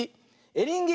エリンギ。